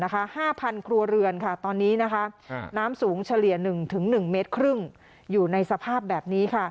๕๐๐ครัวเรือนตอนนี้น้ำสูงเฉลี่ย๑๑เมตรครึ่งอยู่ในสภาพแบบนี้